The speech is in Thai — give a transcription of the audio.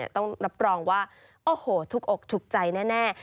ต้องรับรองว่าโอ้โหถูกอกถูกใจแน่